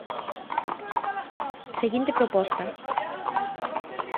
Seguinte proposta.